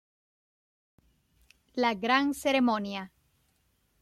La gran ceremonia.